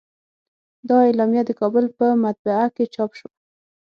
دا اعلامیه د کابل په مطبعه کې چاپ شوه.